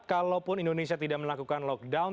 kalaupun indonesia tidak melakukan lockdown